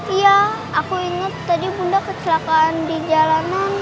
iya aku inget tadi bunda kecelakaan di jalanan